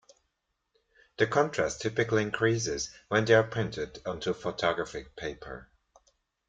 The contrast typically increases when they are printed onto photographic paper.